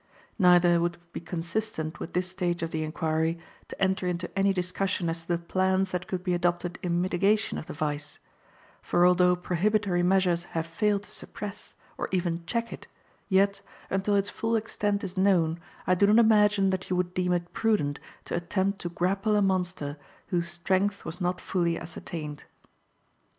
Neither would it be consistent with this stage of the inquiry to enter into any discussion as to the plans that could be adopted in mitigation of the vice; for although prohibitory measures have failed to suppress, or even check it, yet, until its full extent is known, I do not imagine that you would deem it prudent to attempt to grapple a monster whose strength was not fully ascertained.